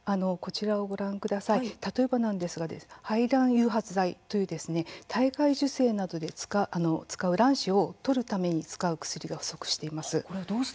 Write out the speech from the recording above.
例えば排卵誘発剤という体外受精などで卵子をとる時などに使う薬が不足しています。